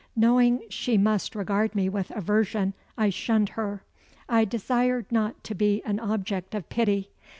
Knowing she must regard me with aversion, I shunned her. I desired not to be an object of pity.